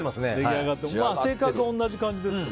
性格は同じ感じですか